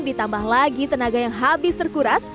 ditambah lagi tenaga yang habis terkuras